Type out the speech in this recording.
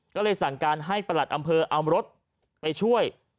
ก็เลยสั่งการให้ประหลัดอำเภอเอารถไปช่วย